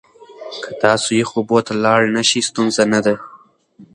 که تاسو یخو اوبو ته لاړ نشئ، ستونزه نه ده.